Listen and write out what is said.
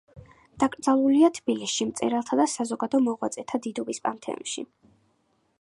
დაკრძალულია თბილისში, მწერალთა და საზოგადო მოღვაწეთა დიდუბის პანთეონში.